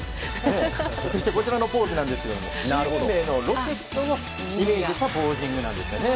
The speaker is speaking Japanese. こちらのポーズはロケットをイメージしたポージングなんですよね。